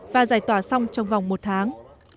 và giải tỏa xong trong vòng một tháng